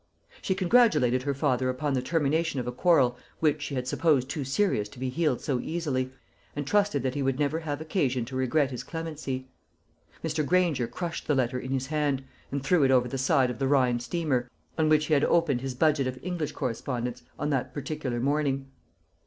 She congratulated her father upon the termination of a quarrel which she had supposed too serious to be healed so easily, and trusted that he would never have occasion to regret his clemency. Mr. Granger crushed the letter in his hand, and threw it over the side of the Rhine steamer, on which he had opened his budget of English correspondence, on that particular morning.